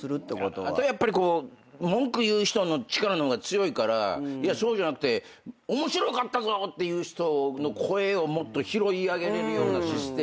あとやっぱり文句言う人の力の方が強いからいやそうじゃなくて面白かったぞって言う人の声をもっと拾い上げれるようなシステムというか。